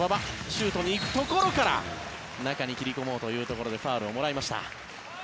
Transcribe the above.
シュートに行くところから中に切り込もうというところでファウルをもらいました。